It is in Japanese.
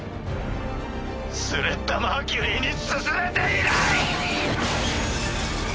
スレッタ・マーキュリーに進めていない！